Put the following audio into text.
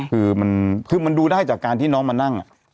คือมันดูได้จากการที่น้องมานั่ง